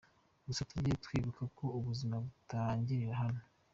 Gusa tujye twibuka ko ubuzima butarangirira hano.